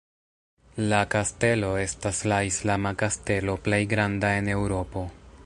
La Kastelo estas la islama kastelo plej granda en Eŭropo.